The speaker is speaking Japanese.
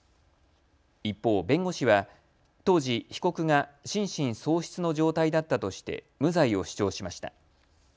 一方、弁護士は当時、被告が心神喪失の状態だったとして無罪を主張しました。